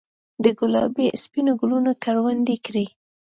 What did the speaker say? دګلابي ، سپینو ګلونو کروندې کرې